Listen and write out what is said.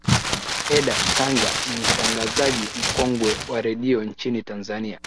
edda sanga ni mtangazaji mkongwe wa redio nchini tanzania